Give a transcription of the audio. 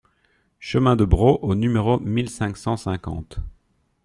Chemin de Bro au numéro mille cinq cent cinquante